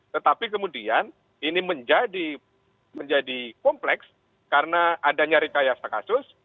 tetapi kemudian ini menjadi kompleks karena ada nyarikayasa kasus